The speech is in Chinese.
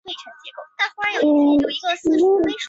污水下水道为台湾新十大建设之一。